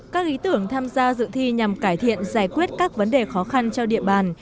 các ý tưởng tham gia dự thi nhằm cải thiện giải quyết các vấn đề khó khăn cho địa bàn